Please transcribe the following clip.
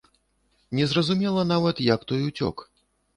Незразумела нават, як той уцёк.